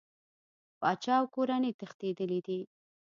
پاچا او کورنۍ تښتېدلي دي.